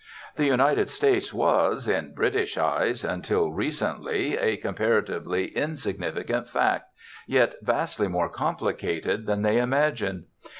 The United States was, in British eyes, until recently, a comparatively insignificant fact, yet vastly more complicated than they imagined.